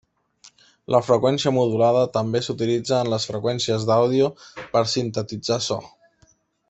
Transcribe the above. La freqüència modulada també s'utilitza en les freqüències d'àudio per sintetitzar so.